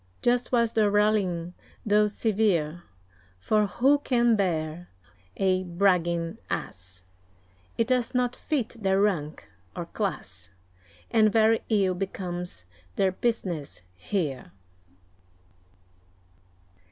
Just was the rallying, though severe; For who can bear a bragging Ass? It does not fit their rank or class, And very ill becomes their business here.